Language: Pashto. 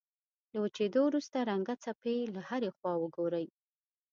له وچېدو وروسته رنګه خپې له هرې خوا وګورئ.